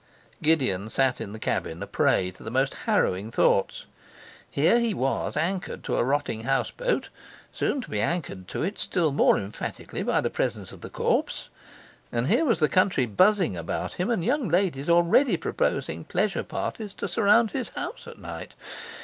Gideon sat in the cabin a prey to the most harrowing thoughts. Here he was anchored to a rotting houseboat, soon to be anchored to it still more emphatically by the presence of the corpse, and here was the country buzzing about him, and young ladies already proposing pleasure parties to surround his house at night.